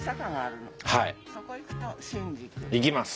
行きます。